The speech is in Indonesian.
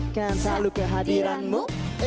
kan selalu kehadiranmu